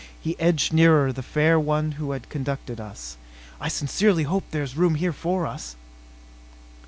He edged nearer the fair one who had conducted us. "I sincerely hope there's room here for us."